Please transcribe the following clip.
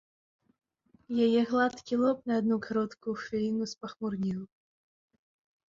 Яе гладкі лоб на адну кароткую хвіліну спахмурнеў.